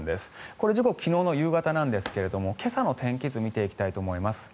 これ、時刻は昨日の夕方なんですが今朝の天気図を見ていきたいと思います。